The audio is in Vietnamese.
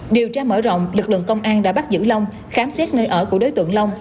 điều tra mở rộng lực lượng công an đã bắt giữ long khám xét nơi ở của đối tượng long